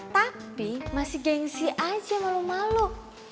tapi masih gengsi aja malu malu